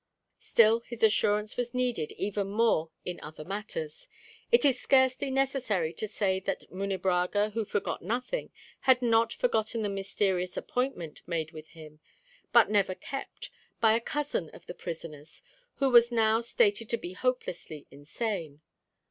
Still, his assistance was needed even more in other matters. It is scarcely necessary to say that Munebrãga, who forgot nothing, had not forgotten the mysterious appointment made with him, but never kept, by a cousin of the prisoner's, who was now stated to be hopelessly insane.